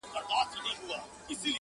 سختې نيوکي وکړې هم ډيري سوې